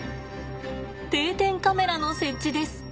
定点カメラの設置です。